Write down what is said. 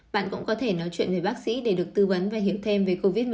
bạn cũng có thể nói chuyện với bác sĩ để được tư vấn và hiểu thêm về covid một mươi chín